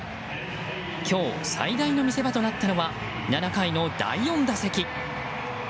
今日、最大の見せ場となったのは７回の第４打席。